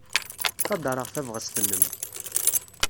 Ttqadareɣ tabɣest-nnem.